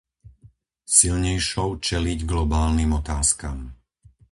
Silnejšou čeliť globálnym otázkam.